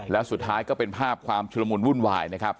แล้วสุดท้ายก็เป็นภาพความชุลมุนวุ่นวายนะครับ